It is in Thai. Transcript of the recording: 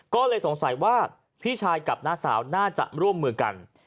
ก็เลยสงสัยว่าพี่ชายกับน้าสาวน่าจะร่วมมือกัน